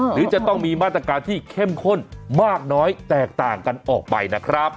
หรือจะต้องมีมาตรการที่เข้มข้นมากน้อยแตกต่างกันออกไปนะครับ